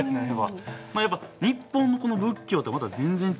やっぱ日本のこの仏教とはまた全然違うんですね。